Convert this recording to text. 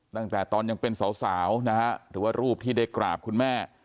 ตั้งแต่ตอนยังเป็นสาวนะฮะหรือว่ารูปที่ได้กราบคุณแม่